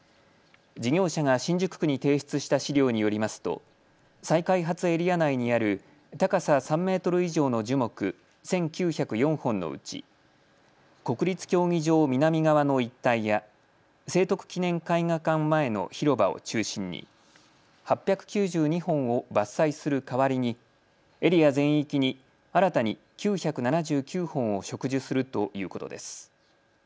事業者が新宿区に提出した資料によりますと再開発エリア内にある高さ３メートル以上の樹木１９０４本のうち国立競技場南側の一帯や聖徳記念絵画館前の広場を中心に８９２本を伐採する代わりにエリア全域に新たに９７９本を植樹するということです。